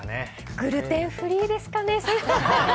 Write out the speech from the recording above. グルテンフリーですかね、それ。